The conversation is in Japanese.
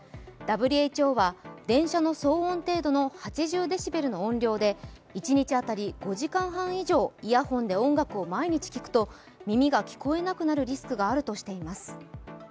ＷＨＯは電車の騒音程度の８０デシベルの音量で一日当たり５時間半以上イヤホンで音楽を毎日聴くと耳が聞こえなくなるリスクがあるとしています。